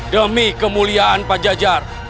demi kemuliaan pada jajaran